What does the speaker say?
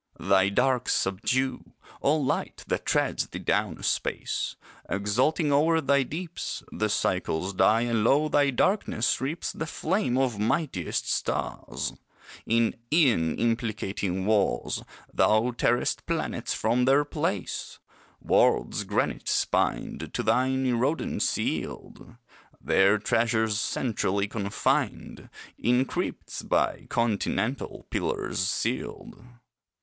Thy darks subdue All light that treads thee down a space, Exulting o'er thy deeps. The cycles die, and lo! thy darkness reaps The flame of mightiest stars; In aeon implicating wars Thou tearest planets from their place; Worlds granite spined To thine erodents yield Their treasures centrally confined In crypts by continental pillars sealed.